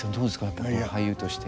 やっぱり俳優として。